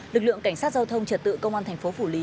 lực lượng cảnh sát giao thông trật tự công an thành phố phủ lý